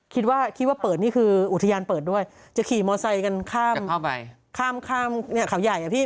คิดว่าเปิดนี่คืออุทยานเปิดด้วยจะขี่มอเตอร์ไซค์กันข้ามข้าวใหญ่